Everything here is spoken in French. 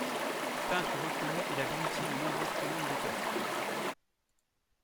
Peintre reconnu, il a bénéficié de nombreuses commandes d'État.